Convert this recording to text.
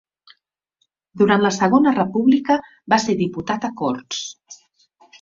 Durant la Segona República va ser diputat a Corts.